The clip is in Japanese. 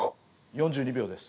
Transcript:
４２秒です。